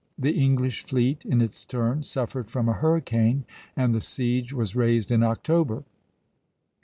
The English fleet in its turn suffered from a hurricane, and the siege was raised in October.